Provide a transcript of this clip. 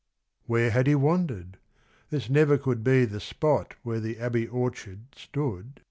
Where had he wandered ? This never could Be the spot where the Abbey orchard stood